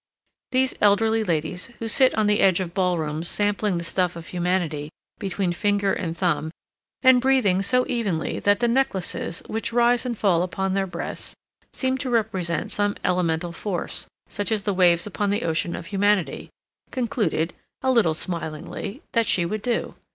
Those elderly ladies, who sit on the edge of ballrooms sampling the stuff of humanity between finger and thumb and breathing so evenly that the necklaces, which rise and fall upon their breasts, seem to represent some elemental force, such as the waves upon the ocean of humanity, concluded, a little smilingly, that she would do.